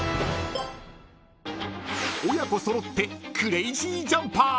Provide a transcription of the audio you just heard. ［親子揃ってクレイジージャンパー！］